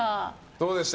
どうでした？